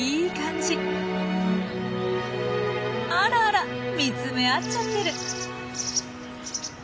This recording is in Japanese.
あらあら見つめ合っちゃってる。